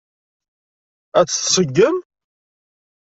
Ad tt-tseggem?